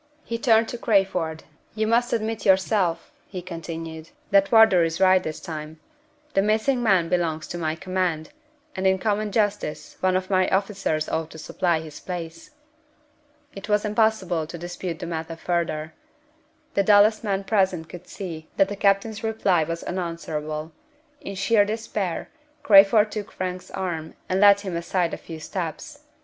He turned to Crayford. "You must admit yourself," he continued, "that Wardour is right this time. The missing man belongs to my command, and in common justice one of my officers ought to supply his place." It was impossible to dispute the matter further. The dullest man present could see that the captain's reply was unanswerable. In sheer despair, Crayford took Frank's arm and led him aside a few steps.